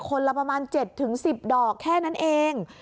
ละประมาณ๗๑๐ดอกแค่นั้นเอง